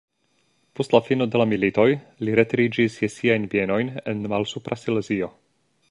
Post la fino de la militoj li retiriĝis je siajn bienojn en Malsupra Silezio.